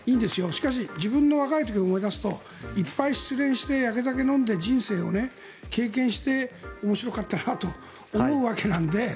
しかし自分の若い時を思い出すといっぱい失恋して、やけ酒飲んで人生を経験して面白かったなと思うわけなので。